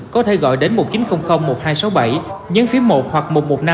có thể gọi đến một chín không không một hai sáu bảy nhấn phím một hoặc một trăm một mươi năm